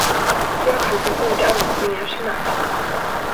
Jag tror på goda önskningars makt.